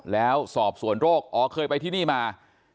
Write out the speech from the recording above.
แล้วสอบส่วนโรคอ๋อเคยไปที่นี่มา